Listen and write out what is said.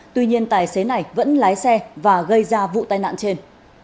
tuy nhiên tài xế này vẫn lái xe và gây ra vụ tai nạn trên